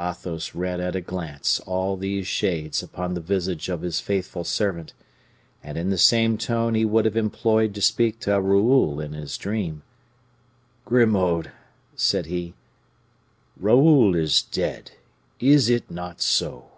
Athos read at a glance all these shades upon the visage of his faithful servant, and in the same tone he would have employed to speak to Raoul in his dream: "Grimaud," said he, "Raoul is dead. _Is it not so?